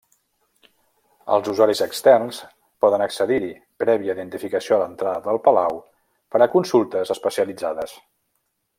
Els usuaris externs poden accedir-hi, prèvia identificació a l'entrada del Palau, per a consultes especialitzades.